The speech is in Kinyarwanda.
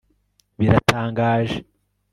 biratangaje